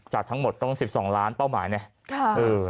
จากทั้งหมดต้อง๑๒ล้านเป้าหมายเนี่ย